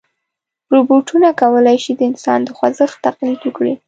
روبوټونه کولی شي د انسان د خوځښت تقلید وکړي.